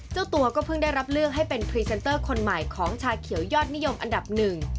เจ้าตัวก็เพิ่งได้รับเลือกให้เป็นพรีเซนเตอร์คนใหม่ของชาเขียวยอดนิยมอันดับหนึ่ง